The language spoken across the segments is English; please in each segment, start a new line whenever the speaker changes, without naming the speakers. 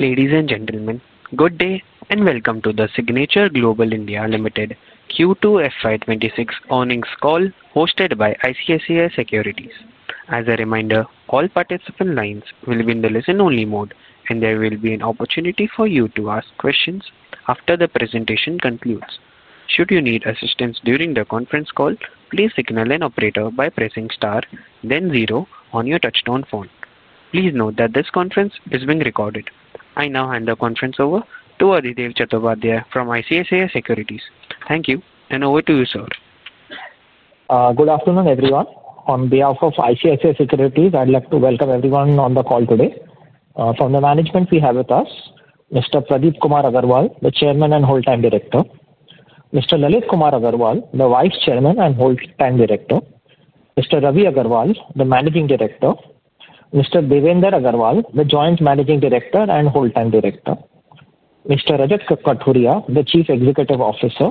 Ladies and gentlemen, good day and welcome to the Signature Global (India) Limited Q2 FY2026 earnings call hosted by ICICI Securities. As a reminder, all participant lines will be in the listen-only mode, and there will be an opportunity for you to ask questions after the presentation concludes. Should you need assistance during the conference call, please signal an operator by pressing star, then zero on your touchstone phone. Please note that this conference is being recorded. I now hand the conference over to Adhidev Chattopadhyay from ICICI Securities. Thank you, and over to you, sir.
Good afternoon, everyone. On behalf of ICICI Securities, I'd like to welcome everyone on the call today. From the management, we have with us Mr. Pradeep Kumar Aggarwal, the Chairman and Whole-time Director, Mr. Lalit Kumar Agarwal, the Vice Chairman and Whole-time Director, Mr. Ravi Agarwal, the Managing Director, Mr. Devendra Agarwal, the Joint Managing Director and Whole-time Director, Mr. Rajat Kathuria, the Chief Executive Officer,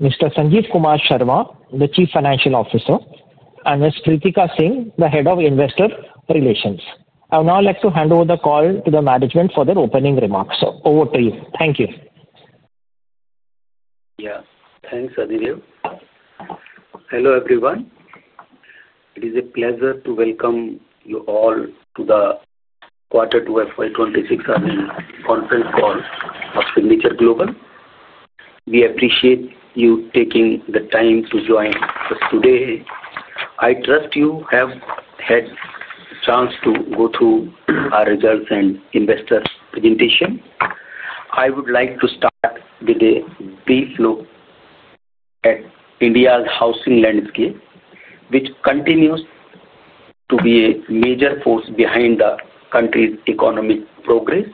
Mr. Sanjeev Kumar Sharma, the Chief Financial Officer, and Ms. Kritika Singh, the Head of Investor Relations. I would now like to hand over the call to the management for their opening remarks. Over to you. Thank you.
Yeah, thanks, Adhidev. Hello, everyone. It is a pleasure to welcome you all to the Q2 FY2026 conference call of Signature Global. We appreciate you taking the time to join us today. I trust you have had a chance to go through our results and investor presentation. I would like to start with a brief look at India's housing landscape, which continues to be a major force behind the country's economic progress.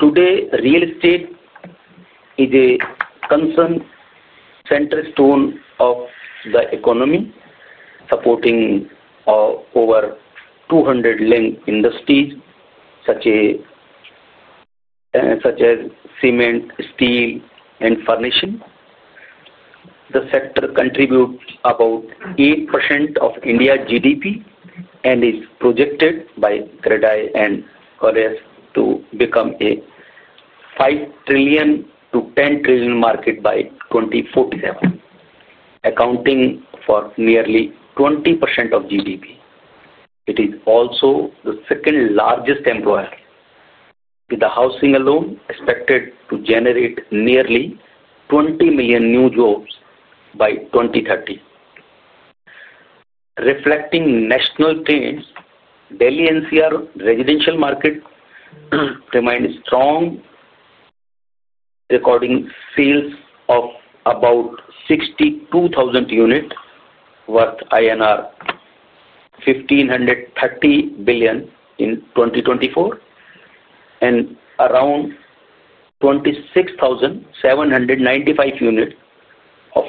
Today, real estate is a core center stone of the economy, supporting over 200 linked industries such as cement, steel, and furnishing. The sector contributes about 8% of India's GDP and is projected by CREDAI to become a $5 trillion-$10 trillion market by 2047, accounting for nearly 20% of GDP. It is also the second largest employer, with housing alone expected to generate nearly 20 million new jobs by 2030. Reflecting national trends, Delhi-NCR residential market remains strong, recording sales of about 62,000 units worth INR 1,530 billion in 2024 and around 26,795 units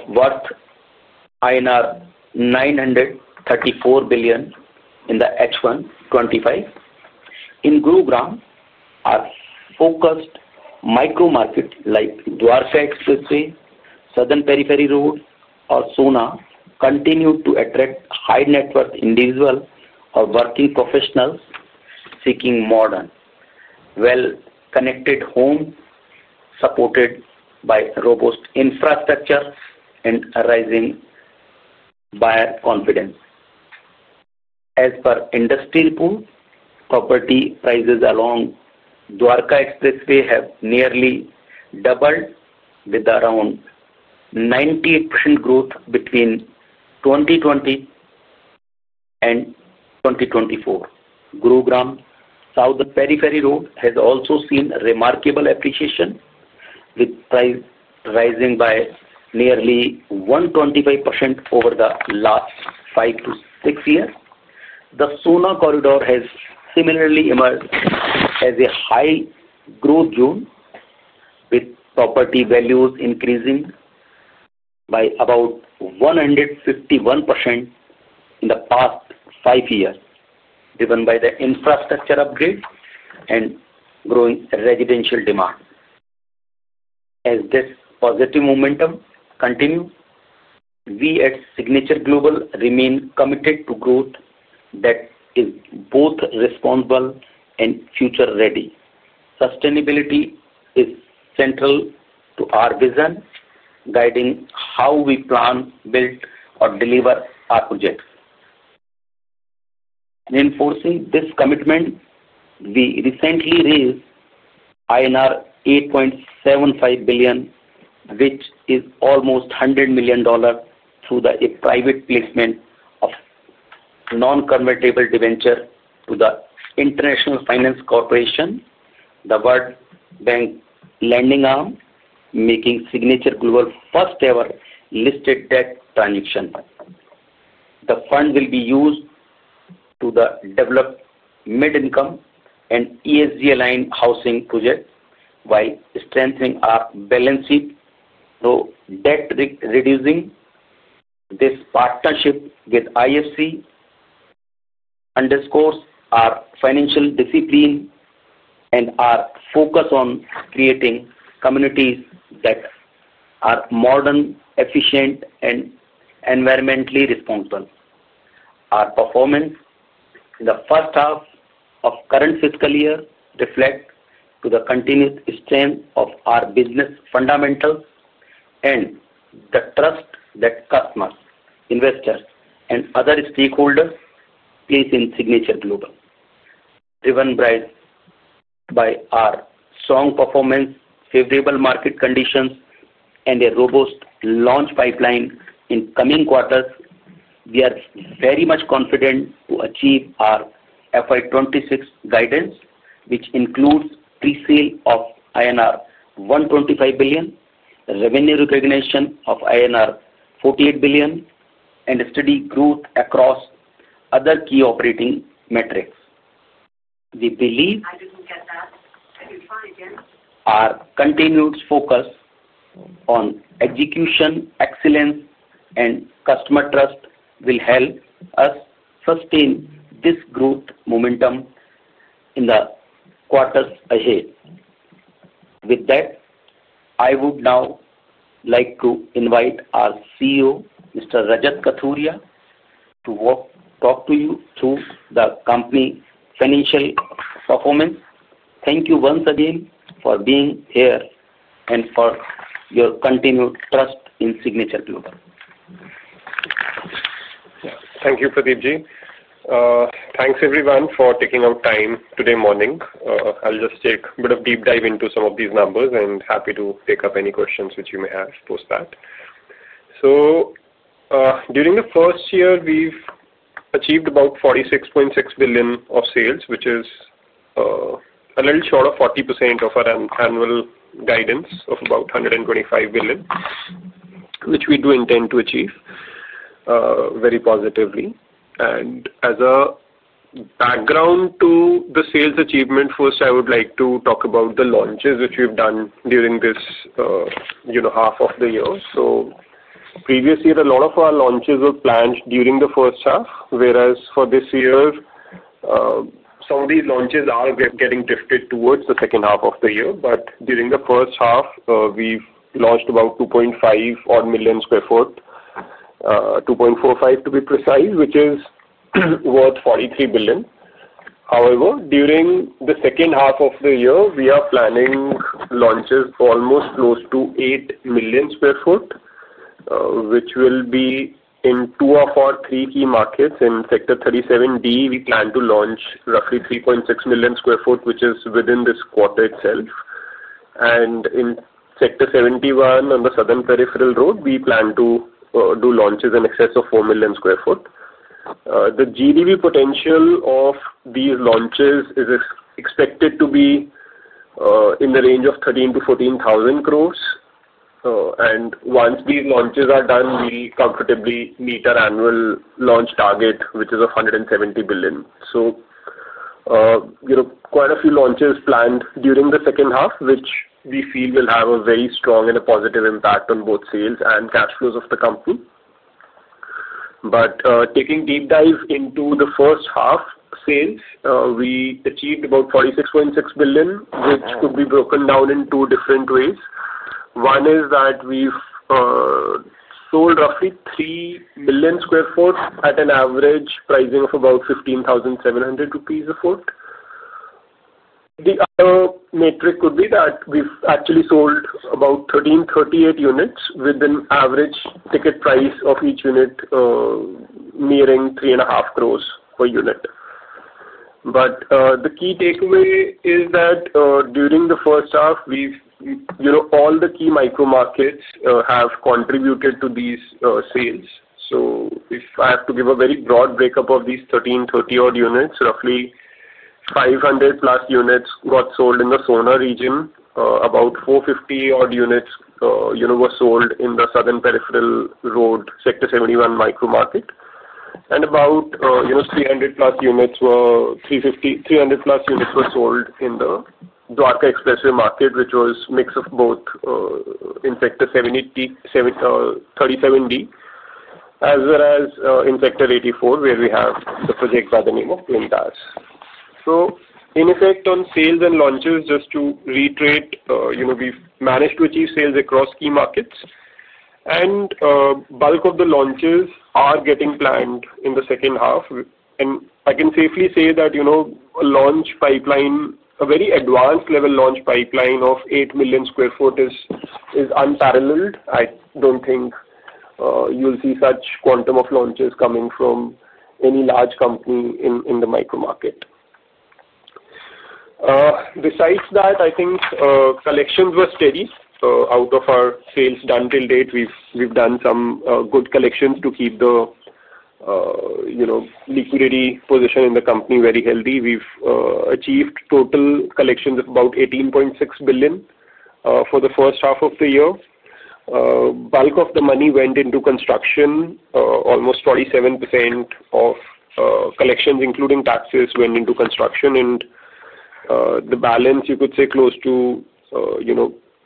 worth INR 934 billion in the H1 2025. In Gurugram, our focused micro-markets like Dwarka Expressway, Southern Peripheral Road, or Sohna continue to attract high-net-worth individuals or working professionals seeking modern, well-connected homes supported by robust infrastructure and rising buyer confidence. As per industry pool, property prices along Dwarka Expressway have nearly doubled, with around 98% growth between 2020 and 2024. Gurugram Southern Peripheral Road has also seen remarkable appreciation, with prices rising by nearly 125% over the last five to six years. The Sohna corridor has similarly emerged as a high-growth zone, with property values increasing by about 151% in the past five years, driven by the infrastructure upgrade and growing residential demand. As this positive momentum continues, we at Signature Global remain committed to growth that is both responsible and future-ready. Sustainability is central to our vision, guiding how we plan, build, or deliver our projects. Reinforcing this commitment, we recently raised INR 8.75 billion, which is almost $100 million, through a private placement of non-convertible debenture to the International Finance Corporation, the World Bank lending arm, making Signature Global first-ever listed debt transaction. The fund will be used to develop mid-income and ESG-aligned housing projects while strengthening our balance sheet through debt-reducing. This partnership with IFC underscores our financial discipline and our focus on creating communities that are modern, efficient, and environmentally responsible. Our performance in the first half of the current fiscal year reflects the continued strength of our business fundamentals and the trust that customers, investors, and other stakeholders place in Signature Global. Driven by our strong performance, favorable market conditions, and a robust launch pipeline in the coming quarters, we are very much confident to achieve our FY2026 guidance, which includes pre-sale of INR 125 billion, revenue recognition of INR 48 billion, and steady growth across other key operating metrics. We believe our continued focus on execution, excellence, and customer trust will help us sustain this growth momentum in the quarters ahead. With that, I would now like to invite our CEO, Mr. Rajat Kathuria, to talk to you through the company's financial performance. Thank you once again for being here and for your continued trust in Signature Global.
Thank you, Pradeep. Thanks, everyone, for taking our time today morning. I'll just take a bit of a deep dive into some of these numbers and happy to pick up any questions which you may have post that. During the first year, we've achieved about 46.6 billion of sales, which is a little short of 40% of our annual guidance of about 125 billion, which we do intend to achieve very positively. As a background to the sales achievement, first, I would like to talk about the launches which we've done during this half of the year. Previous year, a lot of our launches were planned during the first half, whereas for this year, some of these launches are getting drifted towards the second half of the year. During the first half, we've launched about 2.5 million sq ft, 2.45 to be precise, which is worth 43 billion. However, during the second half of the year, we are planning launches almost close to 8 million sq ft, which will be in two of our three key markets. In Sector 37D, we plan to launch roughly 3.6 million sq ft, which is within this quarter itself. In Sector 71 on the Southern Peripheral Road, we plan to do launches in excess of 4 million sq ft. The GDP potential of these launches is expected to be in the range of 13,000 crore-14,000 crore. Once these launches are done, we'll comfortably meet our annual launch target, which is 170 billion. Quite a few launches planned during the second half, which we feel will have a very strong and a positive impact on both sales and cash flows of the company. Taking a deep dive into the first half sales, we achieved about 46.6 billion, which could be broken down in two different ways. One is that we've sold roughly 3 million sq ft at an average pricing of about 15,700 rupees a foot. The other metric could be that we've actually sold about 1,338 units with an average ticket price of each unit nearing 35 million per unit. The key takeaway is that during the first half, all the key micro-markets have contributed to these sales. If I have to give a very broad breakup of these 1,338 units, roughly 500+ units got sold in the Sohna region, about 450 odd units were sold in the Southern Peripheral Road, Sector 71 micro-market, and about 300+ units were sold in the Dwarka Expressway market, which was a mix of both in Sector 37D as well as in Sector 84, where we have the project by the name of [De-Luxe]. In effect, on sales and launches, just to reiterate, we've managed to achieve sales across key markets, and bulk of the launches are getting planned in the second half. I can safely say that a launch pipeline, a very advanced-level launch pipeline of 8 million sq ft, is unparalleled. I do not think you'll see such quantum of launches coming from any large company in the micro-market. Besides that, I think collections were steady. Out of our sales done till date, we've done some good collections to keep the liquidity position in the company very healthy. We've achieved total collections of about 18.6 billion for the first half of the year. Bulk of the money went into construction. Almost 47% of collections, including taxes, went into construction, and the balance, you could say, close to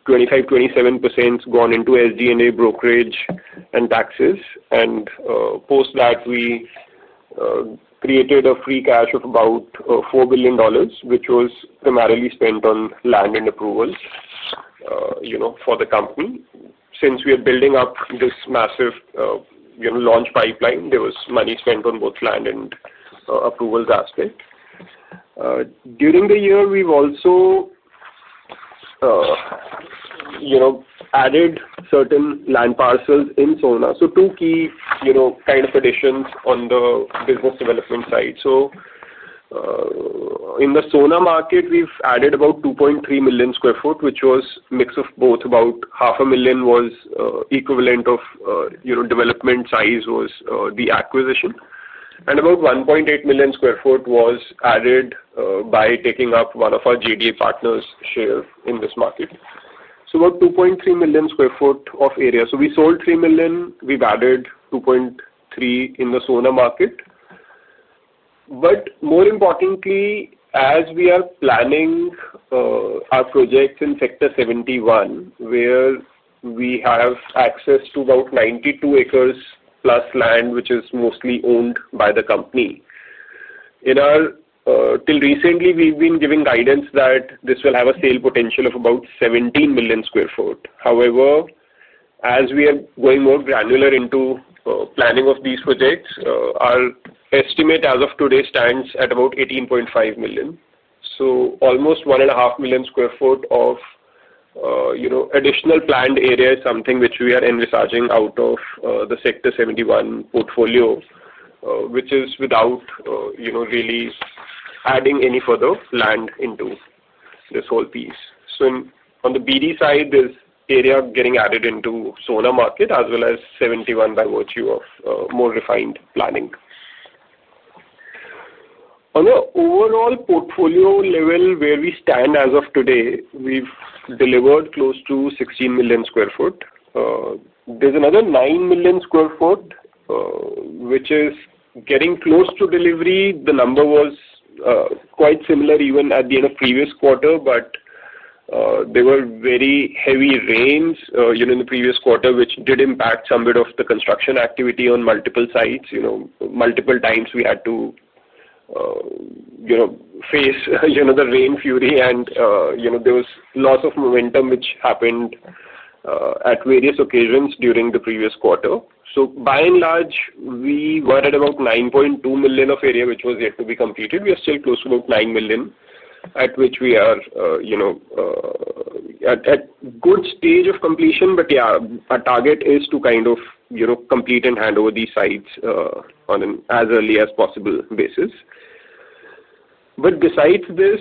25%-27% gone into SG&A brokerage and taxes. Post that, we created a free cash of about INR 4 billion, which was primarily spent on land and approvals for the company. Since we are building up this massive launch pipeline, there was money spent on both land and approvals aspect. During the year, we've also added certain land parcels in Sohna. Two key kind of additions on the business development side. In the Sohna market, we've added about 2.3 million sq ft, which was a mix of both. About 500,000 sq ft equivalent of development size was the acquisition, and about 1.8 million sq ft was added by taking up one of our GDA partners' share in this market. About 2.3 million sq ft of area. We sold 3 million. We've added 2.3 in the Sohna market. More importantly, as we are planning our projects in Sector 71, where we have access to about 92 acres plus land, which is mostly owned by the company. Till recently, we've been giving guidance that this will have a sale potential of about 17 million sq ft. However, as we are going more granular into planning of these projects, our estimate as of today stands at about 18.5 million. Almost 1.5 million sq ft of additional planned area is something which we are envisaging out of the Sector 71 portfolio, which is without really adding any further land into this whole piece. On the BD side, there is area getting added into Sohna market as well as 71 by virtue of more refined planning. On the overall portfolio level, where we stand as of today, we have delivered close to 16 million sq ft. There is another 9 million sq ft which is getting close to delivery. The number was quite similar even at the end of the previous quarter, but there were very heavy rains in the previous quarter, which did impact some bit of the construction activity on multiple sites. Multiple times, we had to face the rain fury, and there was lots of momentum which happened at various occasions during the previous quarter. By and large, we were at about 9.2 million of area which was yet to be completed. We are still close to about 9 million, at which we are at a good stage of completion, but yeah, our target is to kind of complete and hand over these sites on an as early as possible basis. Besides this,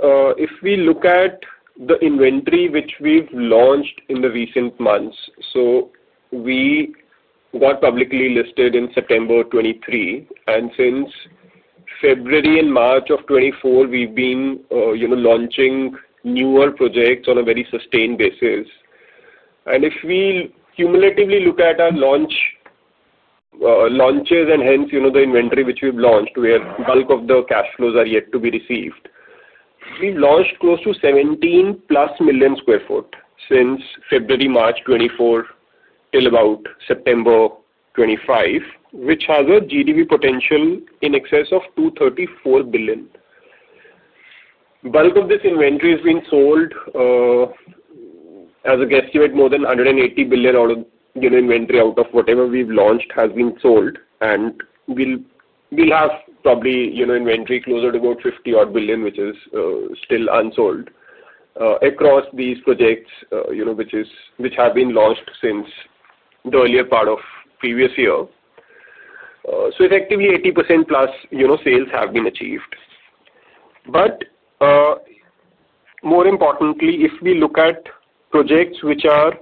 if we look at the inventory which we've launched in the recent months, we got publicly listed in September 2023, and since February and March of 2024, we've been launching newer projects on a very sustained basis. If we cumulatively look at our launches, and hence the inventory which we've launched, where bulk of the cash flows are yet to be received, we've launched close to 17+ million sq ft since February-March 2024 till about September 2025, which has a GDP potential in excess of 234 billion. Bulk of this inventory has been sold. As I guess you had more than 180 billion inventory out of whatever we've launched has been sold, and we'll have probably inventory closer to about 50 billion, which is still unsold across these projects which have been launched since the earlier part of the previous year. Effectively, 80%+ sales have been achieved. More importantly, if we look at projects which are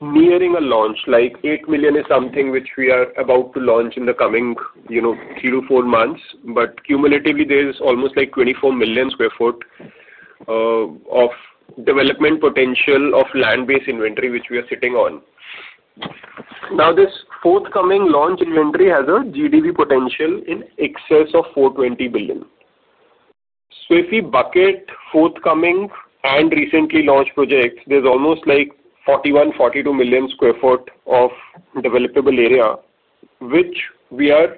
nearing a launch, like 8 million is something which we are about to launch in the coming three to four months, but cumulatively, there's almost 24 million sq ft of development potential of land-based inventory which we are sitting on. Now, this forthcoming launch inventory has a GDP potential in excess of 420 billion. If we bucket forthcoming and recently launched projects, there's almost like 41 million sq ft, 42 million sq ft of developable area, which we are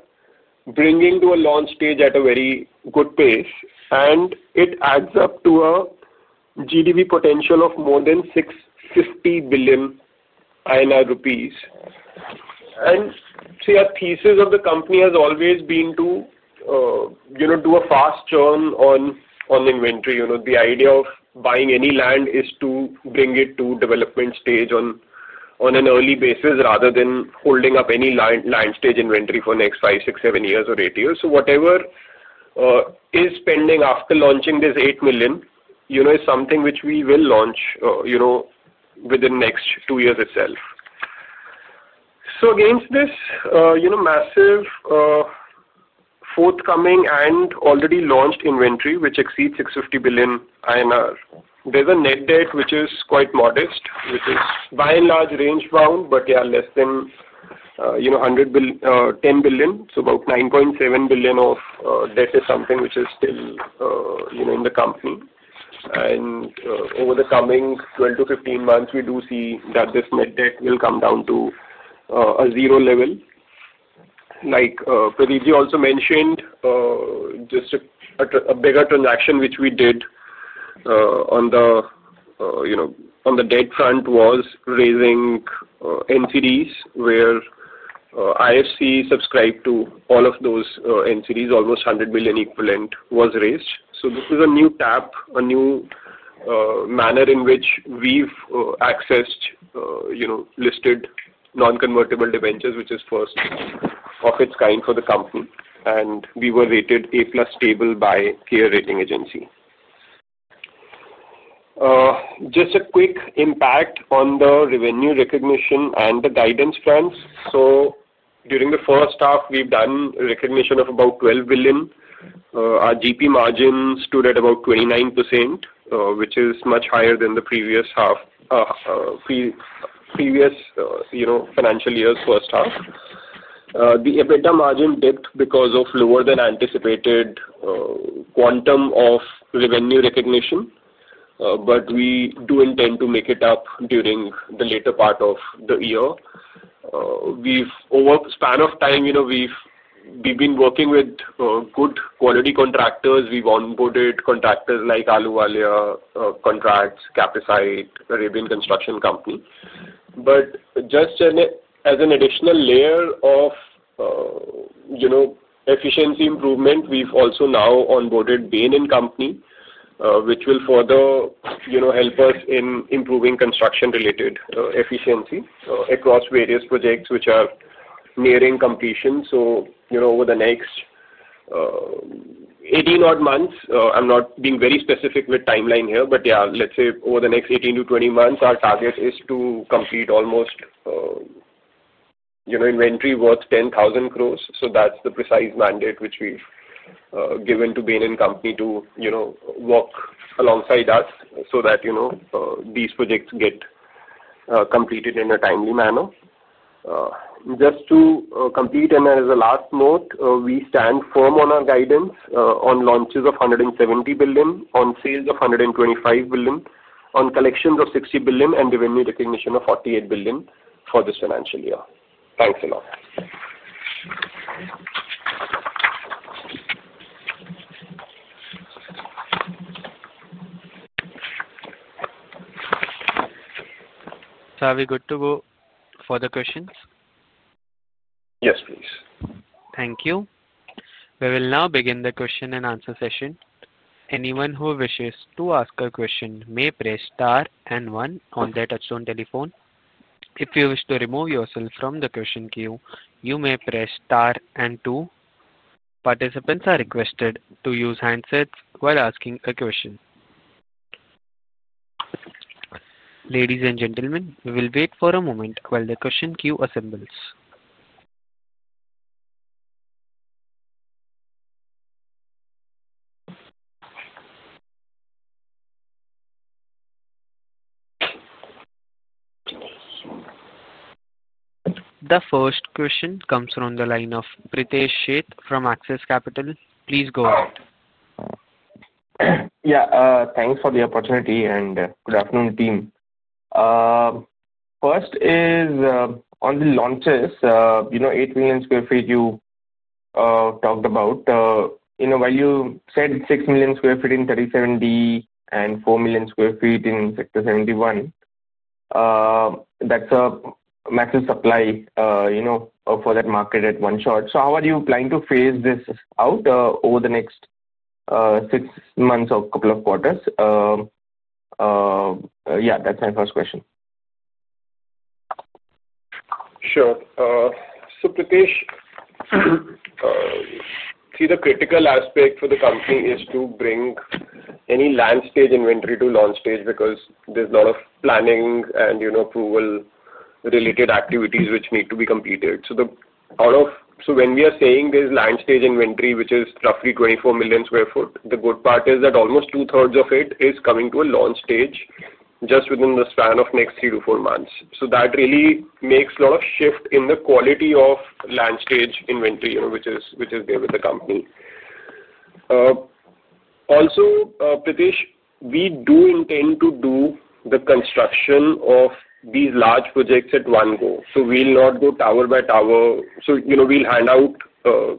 bringing to a launch stage at a very good pace, and it adds up to a GDP potential of more than 650 billion rupees. Our thesis of the company has always been to do a fast churn on inventory. The idea of buying any land is to bring it to development stage on an early basis rather than holding up any land stage inventory for the next five, six, seven years, or eight years. Whatever is pending after launching this 8 million is something which we will launch within the next two years itself. Against this massive forthcoming and already launched inventory which exceeds 650 billion INR, there's a net debt which is quite modest, which is by and large range bound, but yeah, less than 10 billion. About 9.7 billion of debt is something which is still in the company. Over the coming 12 months-15 months, we do see that this net debt will come down to a zero level. Like Pradeep also mentioned, just a bigger transaction which we did on the debt front was raising NCDs, where IFC subscribed to all of those NCDs, almost $100 million equivalent was raised. This is a new tap, a new manner in which we've accessed listed non-convertible debentures, which is first of its kind for the company, and we were rated A+ stable by CARE Ratings. Just a quick impact on the revenue recognition and the guidance plans. During the first half, we've done recognition of about 12 billion. Our GP margins stood at about 29%, which is much higher than the previous financial year's first half. The EBITDA margin dipped because of lower than anticipated quantum of revenue recognition, but we do intend to make it up during the later part of the year. Over the span of time, we've been working with good quality contractors. We've onboarded contractors like Ahluwalia Contracts, Capacit'e, Arabian Construction Company. Just as an additional layer of efficiency improvement, we've also now onboarded Bain & Company, which will further help us in improving construction-related efficiency across various projects which are nearing completion. Over the next 18 odd months, I'm not being very specific with timeline here, but yeah, let's say over the next 18 months-20 months, our target is to complete almost inventory worth 10,000 crore. That's the precise mandate which we've given to Bain & Company to work alongside us so that these projects get completed in a timely manner. Just to complete, and as a last note, we stand firm on our guidance on launches of 170 billion, on sales of 125 billion, on collections of 60 billion, and revenue recognition of 48 billion for this financial year. Thanks a lot.
Are we good to go for the questions?
Yes, please.
Thank you. We will now begin the question and answer session. Anyone who wishes to ask a question may press star and one on their touchstone telephone. If you wish to remove yourself from the question queue, you may press star and two. Participants are requested to use handsets while asking a question. Ladies and gentlemen, we will wait for a moment while the question queue assembles. The first question comes from the line of Pritesh Sheth from Axis Capital. Please go ahead.
Yeah, thanks for the opportunity, and good afternoon, team. First is on the launches, 8 million sq ft you talked about. While you said 6 million sq ft in 37D and 4 million sq ft in Sector 71, that's a massive supply for that market at one shot. How are you planning to phase this out over the next six months or couple of quarters? Yeah, that's my first question.
Sure. Pritesh, see, the critical aspect for the company is to bring any land stage inventory to launch stage because there is a lot of planning and approval-related activities which need to be completed. When we are saying there is land stage inventory which is roughly 24 million sq ft, the good part is that almost two-thirds of it is coming to a launch stage just within the span of the next three to four months. That really makes a lot of shift in the quality of land stage inventory which is there with the company. Also, Pritesh, we do intend to do the construction of these large projects at one go. We will not go tower by tower. We will hand out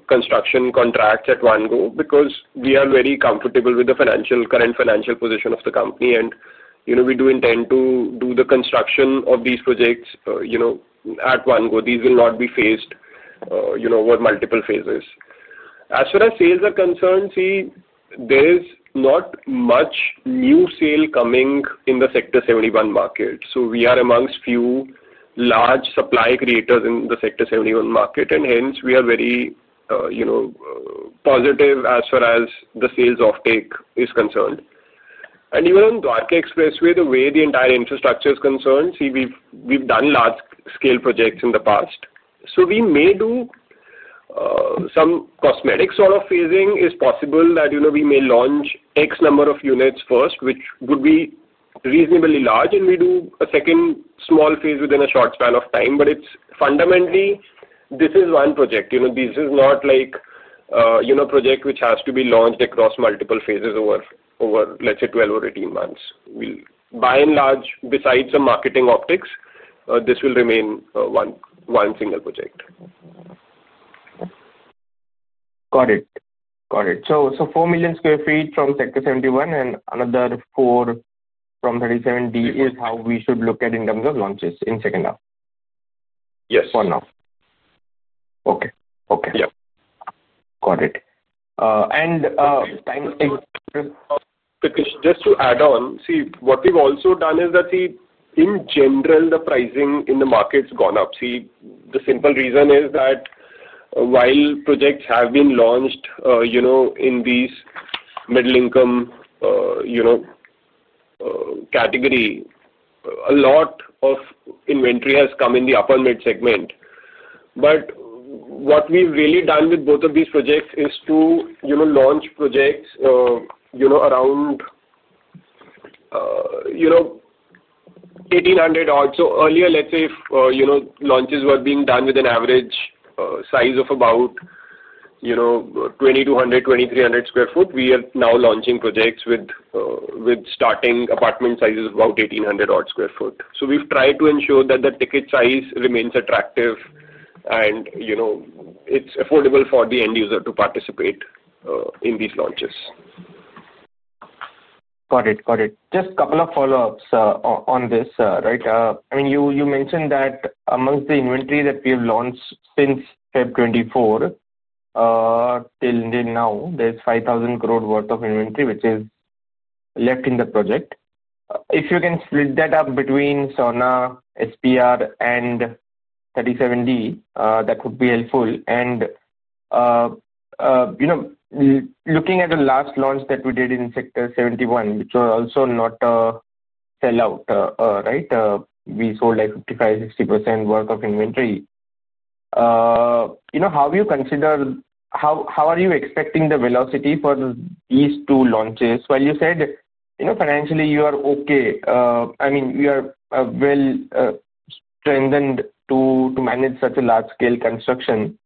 construction contracts at one go because we are very comfortable with the current financial position of the company, and we do intend to do the construction of these projects at one go. These will not be phased over multiple phases. As far as sales are concerned, see, there is not much new sale coming in the Sector 71 market. We are amongst few large supply creators in the Sector 71 market, and hence, we are very positive as far as the sales offtake is concerned. Even on Dwarka Expressway, the way the entire infrastructure is concerned, see, we have done large-scale projects in the past. We may do some cosmetic sort of phasing. It is possible that we may launch X number of units first, which would be reasonably large, and we do a second small phase within a short span of time. Fundamentally, this is one project. This is not like a project which has to be launched across multiple phases over, let's say, 12 or 18 months. By and large, besides some marketing optics, this will remain one single project.
Got it. Got it. So, 4 million sq ft from Sector 71 and another 4 from 37D is how we should look at in terms of launches in second half?
Yes. For now,
okay. Okay.
Yeah.
Got it.
Pritesh, just to add on, see, what we've also done is that, see, in general, the pricing in the market's gone up. The simple reason is that while projects have been launched in these middle-income categories, a lot of inventory has come in the upper-mid segment. What we've really done with both of these projects is to launch projects around 1,800 odd. Earlier, let's say if launches were being done with an average size of about 2,200 sq ft, 2,300 sq ft, we are now launching projects with starting apartment sizes of about 1,800 odd sq ft. We've tried to ensure that the ticket size remains attractive, and it's affordable for the end user to participate in these launches.
Got it. Got it. Just a couple of follow-ups on this, right? I mean, you mentioned that amongst the inventory that we have launched since February 2024 till now, there is 5,000 crore worth of inventory which is left in the project. If you can split that up between Sohna, SPR, and 37D, that would be helpful. Looking at the last launch that we did in Sector 71, which was also not a sellout, right? We sold like 55%-60% worth of inventory. How do you consider, how are you expecting the velocity for these two launches? You said financially you are okay. I mean, you are well strengthened to manage such a large-scale construction.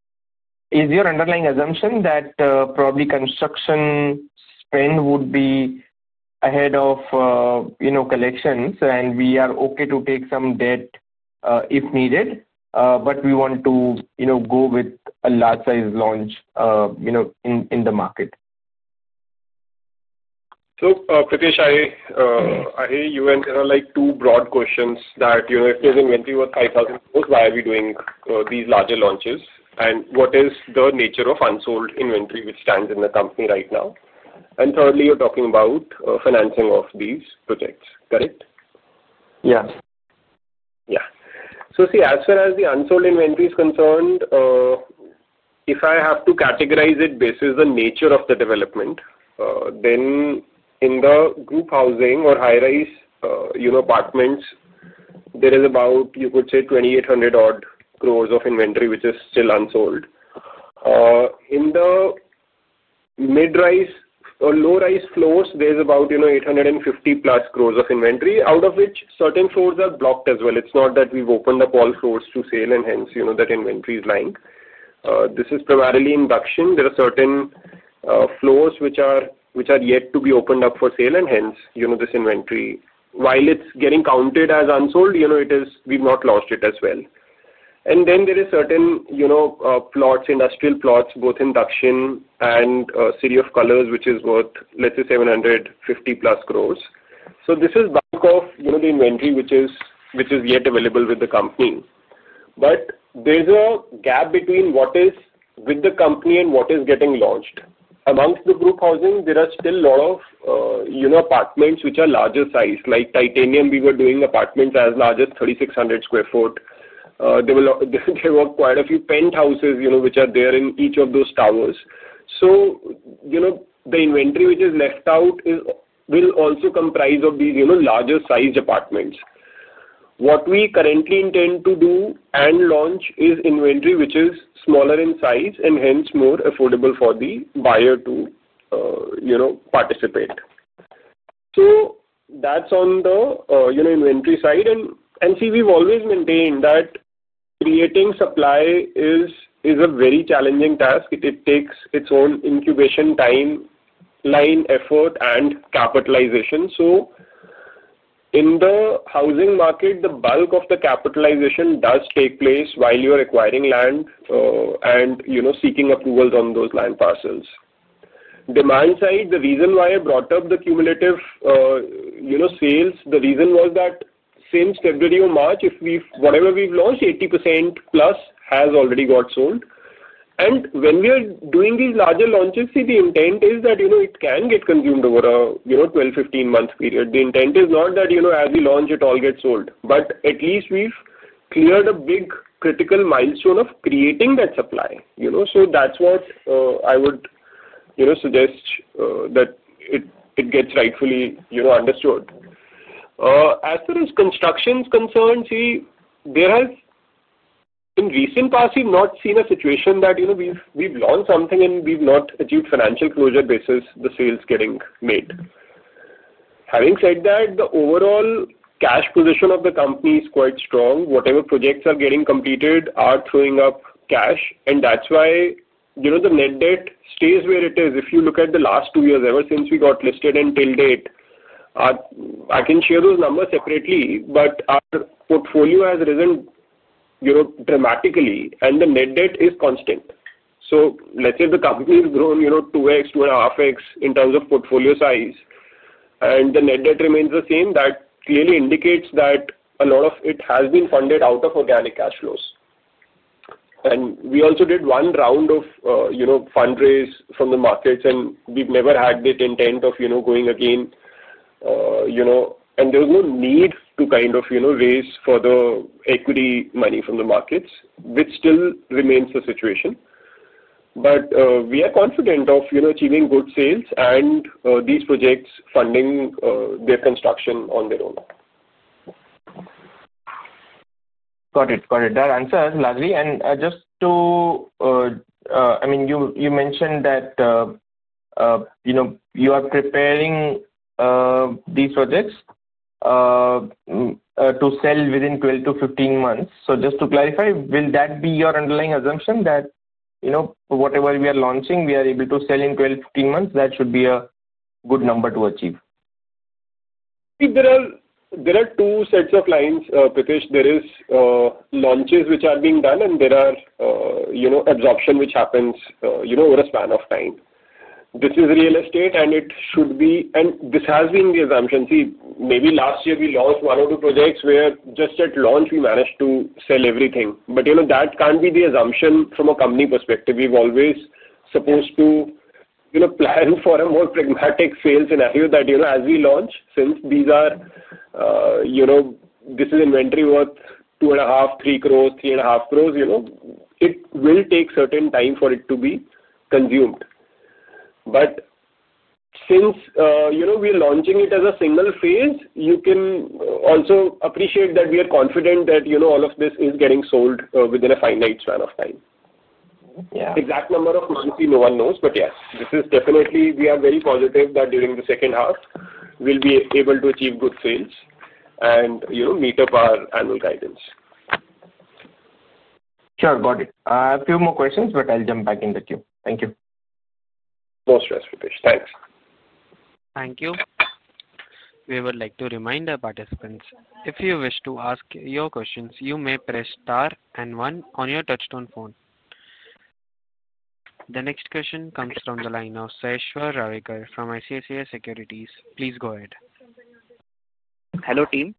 Is your underlying assumption that probably construction spend would be ahead of collections, and we are okay to take some debt if needed, but we want to go with a large-size launch in the market?
Pritesh, I hear you, and there are like two broad questions that if there's inventory worth 5,000 crore, why are we doing these larger launches? What is the nature of unsold inventory which stands in the company right now? Thirdly, you're talking about financing of these projects, correct?
Yeah.
Yeah. So, see, as far as the unsold inventory is concerned, if I have to categorize it based on the nature of the development, then in the group housing or high-rise apartments, there is about, you could say, 2,800 crore of inventory which is still unsold. In the mid-rise or low-rise floors, there's about 850+ crore of inventory, out of which certain floors are blocked as well. It's not that we've opened up all floors to sale, and hence that inventory is lying. This is primarily induction. There are certain floors which are yet to be opened up for sale, and hence this inventory, while it's getting counted as unsold, we've not lost it as well. There are certain plots, industrial plots, both induction and City of Colours, which is worth, let's say, 750+ crore. This is bulk of the inventory which is yet available with the company. There is a gap between what is with the company and what is getting launched. Amongst the group housing, there are still a lot of apartments which are larger size, like Titanium. We were doing apartments as large as 3,600 sq ft. There were quite a few penthouses which are there in each of those towers. The inventory which is left out will also comprise of these larger-sized apartments. What we currently intend to do and launch is inventory which is smaller in size and hence more affordable for the buyer to participate. That is on the inventory side. We have always maintained that creating supply is a very challenging task. It takes its own incubation time, line effort, and capitalization. In the housing market, the bulk of the capitalization does take place while you're acquiring land and seeking approvals on those land parcels. Demand side, the reason why I brought up the cumulative sales, the reason was that since February or March, whatever we've launched, 80%+ has already got sold. When we are doing these larger launches, the intent is that it can get consumed over a 12 month-15 month period. The intent is not that as we launch, it all gets sold. At least we've cleared a big critical milestone of creating that supply. That is what I would suggest that it gets rightfully understood. As far as construction is concerned, in recent past, we've not seen a situation that we've launched something and we've not achieved financial closure basis the sales getting made. Having said that, the overall cash position of the company is quite strong. Whatever projects are getting completed are throwing up cash, and that is why the net debt stays where it is. If you look at the last two years, ever since we got listed until date, I can share those numbers separately, but our portfolio has risen dramatically, and the net debt is constant. Let's say the company has grown 2x, 2.5x in terms of portfolio size, and the net debt remains the same. That clearly indicates that a lot of it has been funded out of organic cash flows. We also did one round of fundraise from the markets, and we have never had the intent of going again. There was no need to kind of raise further equity money from the markets, which still remains the situation. We are confident of achieving good sales and these projects funding their construction on their own.
Got it. Got it. That answers largely. I mean, you mentioned that you are preparing these projects to sell within 12 months-15 months. Just to clarify, will that be your underlying assumption that whatever we are launching, we are able to sell in 12 months-15 months? That should be a good number to achieve.
See, there are two sets of lines, Pritesh. There are launches which are being done, and there are absorption which happens over a span of time. This is real estate, and it should be, and this has been the assumption. See, maybe last year we launched one or two projects where just at launch we managed to sell everything. That cannot be the assumption from a company perspective. We have always supposed to plan for a more pragmatic sales scenario that as we launch, since these are, this is inventory worth 2.5 crore, 3 crore, INR 3.5 crore, it will take certain time for it to be consumed. Since we are launching it as a single phase, you can also appreciate that we are confident that all of this is getting sold within a finite span of time. Exact number of months, no one knows. Yes, this is definitely, we are very positive that during the second half, we'll be able to achieve good sales and meet up our annual guidance.
Sure. Got it. I have a few more questions, but I'll jump back in the queue. Thank you.
No stress, Pritesh. Thanks.
Thank you. We would like to remind our participants, if you wish to ask your questions, you may press star and one on your touchstone phone. The next question comes from the line of Saishwar Ravekar from ICICI Securities. Please go ahead.
Hello, team.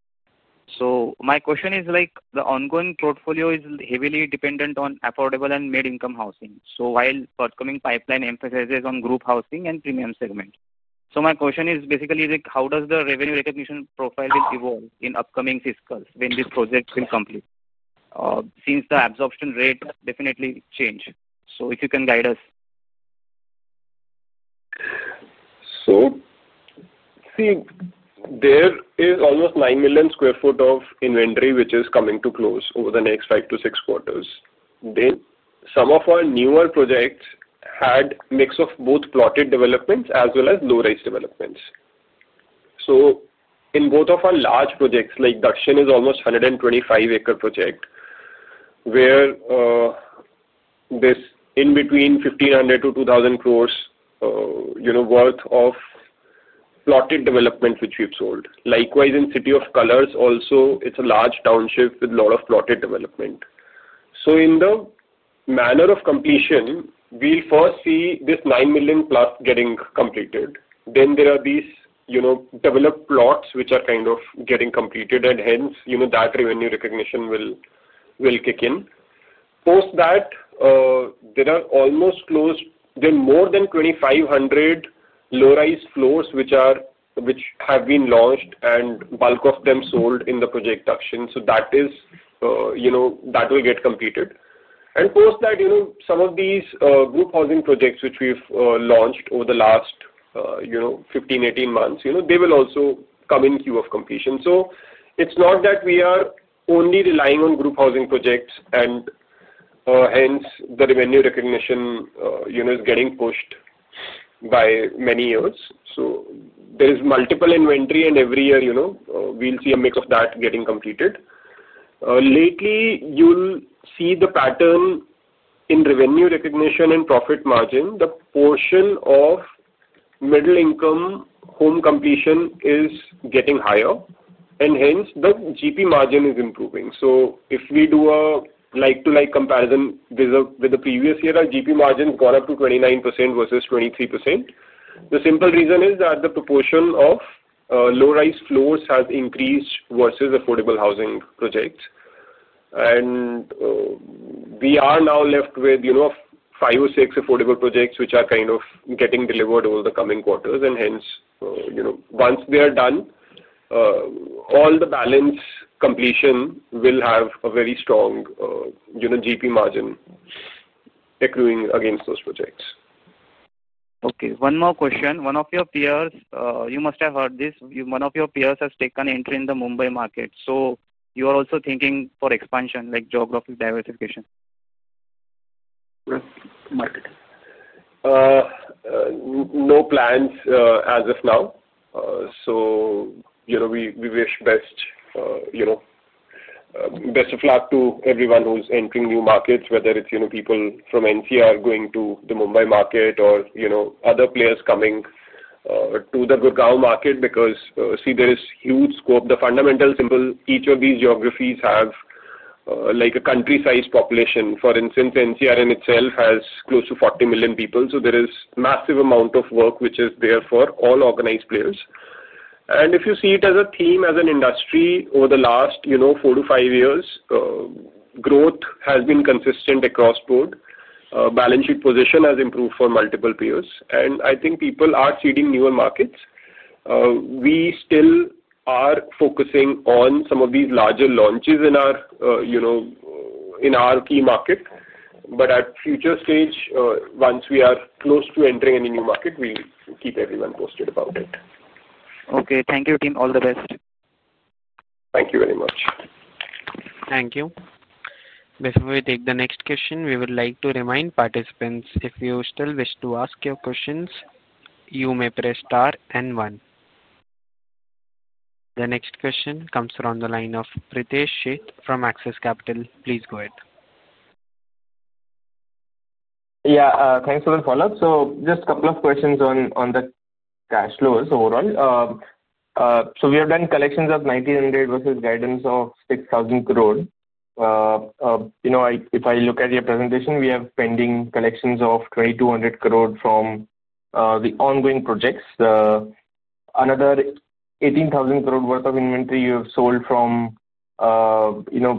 My question is like the ongoing portfolio is heavily dependent on affordable and mid-income housing. While forthcoming pipeline emphasizes on group housing and premium segment. My question is basically like, how does the revenue recognition profile will evolve in upcoming fiscals when this project will complete? Since the absorption rate definitely changed. If you can guide us.
See, there is almost 9 million sq ft of inventory which is coming to close over the next five to six quarters. Some of our newer projects had a mix of both plotted developments as well as low-rise developments. In both of our large projects like Daxin, it is almost a 125-acre project where there is between 1,500 crore-2,000 crore worth of plotted development which we have sold. Likewise, in City of Colours also, it is a large township with a lot of plotted development. In the manner of completion, we will first see this 9+ million getting completed. Then there are these developed plots which are kind of getting completed, and hence that revenue recognition will kick in. Post that, there are almost, there are more than 2,500 low-rise floors which have been launched and bulk of them sold in the project Daxin. That will get completed. Post that, some of these group housing projects which we've launched over the last 15 months-18 months, they will also come in queue of completion. It is not that we are only relying on group housing projects, and hence the revenue recognition is getting pushed by many years. There is multiple inventory, and every year we'll see a mix of that getting completed. Lately, you'll see the pattern in revenue recognition and profit margin. The portion of middle-income home completion is getting higher, and hence the GP margin is improving. If we do a like-to-like comparison with the previous year, our GP margin has gone up to 29% versus 23%. The simple reason is that the proportion of low-rise floors has increased versus affordable housing projects. We are now left with five or six affordable projects which are kind of getting delivered over the coming quarters. Hence, once they are done, all the balance completion will have a very strong GP margin accruing against those projects.
Okay. One more question. One of your peers, you must have heard this. One of your peers has taken entry in the Mumbai market. You are also thinking for expansion, like geographic diversification.
No plans as of now. We wish best of luck to everyone who's entering new markets, whether it's people from NCR going to the Mumbai market or other players coming to the Gurugram market because, see, there is huge scope. The fundamental symbol, each of these geographies have like a country-sized population. For instance, NCR in itself has close to 40 million people. There is a massive amount of work which is there for all organized players. If you see it as a theme, as an industry, over the last four to five years, growth has been consistent across board. Balance sheet position has improved for multiple peers. I think people are seeding newer markets. We still are focusing on some of these larger launches in our key market. At future stage, once we are close to entering any new market, we'll keep everyone posted about it.
Okay. Thank you, team. All the best.
Thank you very much.
Thank you. Before we take the next question, we would like to remind participants, if you still wish to ask your questions, you may press star and one. The next question comes from the line of Pritesh Sheth from Axis Capital. Please go ahead.
Yeah. Thanks for the follow-up. So, just a couple of questions on the cash flows overall. So, we have done collections of 1,900 crore versus guidance of 6,000 crore. If I look at your presentation, we have pending collections of 2,200 crore from the ongoing projects. Another 18,000 crore worth of inventory you have sold from inventory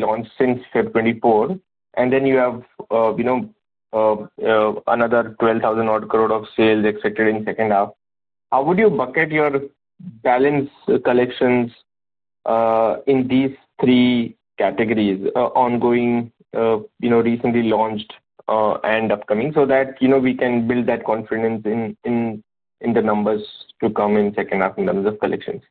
launched since 2024. And then you have another 12,000 odd crore of sales expected in second half. How would you bucket your balance collections in these three categories: ongoing, recently launched, and upcoming? So that we can build that confidence in the numbers to come in second half in terms of collections.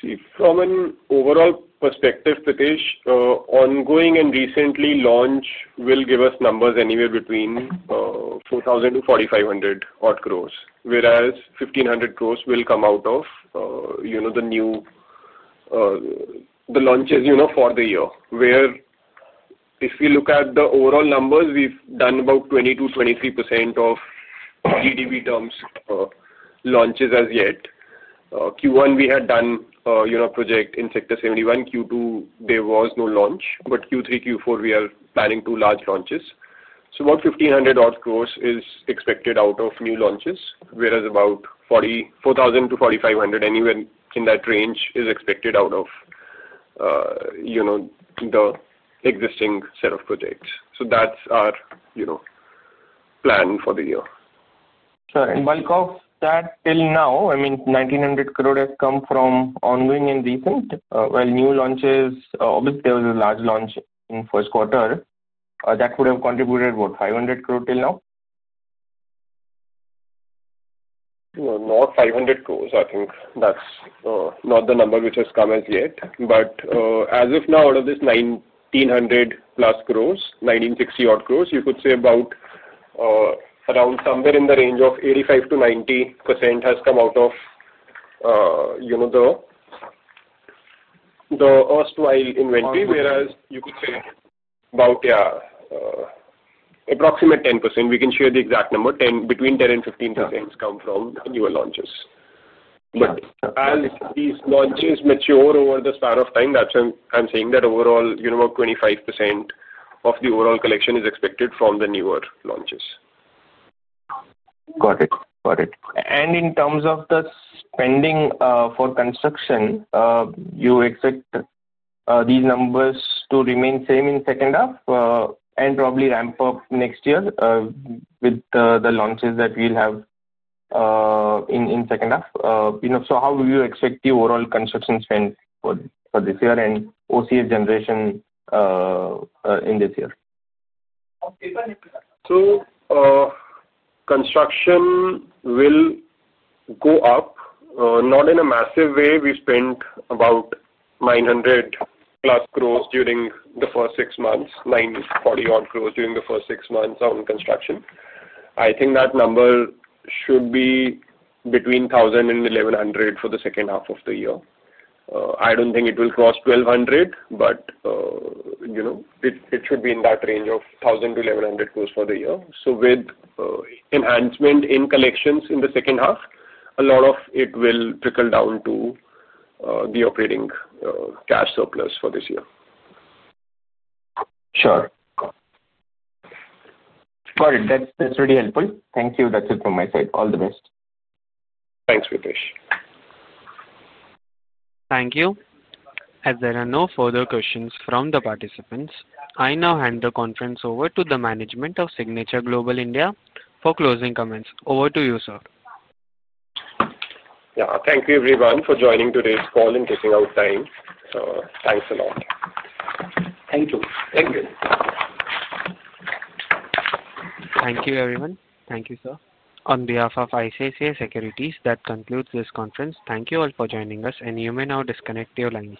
See, from an overall perspective, Pritesh, ongoing and recently launched will give us numbers anywhere between 4,000-4,500 crore, whereas 1,500 crore will come out of the launches for the year. Where if you look at the overall numbers, we've done about 20%-23% of GDP terms launches as yet. Q1, we had done a project in Sector 71. Q2, there was no launch. Q3, Q4, we are planning two large launches. About 1,500 crore is expected out of new launches, whereas about 4,000-4,500 crore, anywhere in that range, is expected out of the existing set of projects. That's our plan for the year.
Sure. Bulk of that till now, I mean, 1,900 crore has come from ongoing and recent. While new launches, obviously, there was a large launch in first quarter. That would have contributed about 500 crore till now?
Not 500 crore. I think that's not the number which has come as yet. As of now, out of this 1,900+ crore, 1,960 odd crore, you could say about around somewhere in the range of 85%-90% has come out of the erstwhile inventory, whereas you could say about, yeah, approximate 10%. We can share the exact number. Between 10% and 15% has come from newer launches. As these launches mature over the span of time, that's why I'm saying that overall, about 25% of the overall collection is expected from the newer launches.
Got it. Got it. In terms of the spending for construction, you expect these numbers to remain same in second half and probably ramp up next year with the launches that we'll have in second half. How would you expect the overall construction spend for this year and OCF generation in this year?
Construction will go up. Not in a massive way. We spent about 900+ crore during the first six months, 940 odd crore during the first six months on construction. I think that number should be between 1,000 crore and 1,100 crore for the second half of the year. I do not think it will cross 1,200 crore, but it should be in that range of 1,000 crore-1,100 crore for the year. With enhancement in collections in the second half, a lot of it will trickle down to the operating cash surplus for this year.
Sure. Got it. That's really helpful. Thank you. That's it from my side. All the best.
Thanks, Pritesh.
Thank you. As there are no further questions from the participants, I now hand the conference over to the management of Signature Global (India) for closing comments. Over to you, sir.
Yeah. Thank you, everyone, for joining today's call and taking out time. Thanks a lot.
Thank you.
Thank you.
Thank you, everyone. Thank you, sir. On behalf of ICICI Securities, that concludes this conference. Thank you all for joining us, and you may now disconnect your lines.